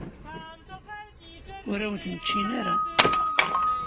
Ur awen-ten-ččin ara.